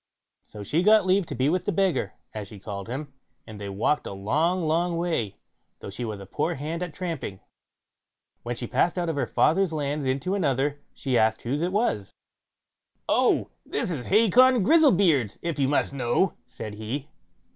So she got leave to be with the beggar, as she called him, and they walked a long, long way, though she was but a poor hand at tramping. When she passed out of her father's land into another, she asked whose it was? "Oh! this is Hacon Grizzlebeard's, if you must know", said he.